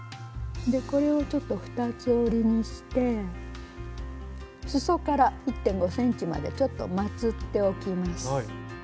これをちょっと二つ折りにしてすそから１．５ｃｍまでちょっとまつっておきます。